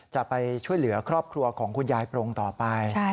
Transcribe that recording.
จะไปช่วยเหลือครอบครัวของคุณยายปรงต่อไป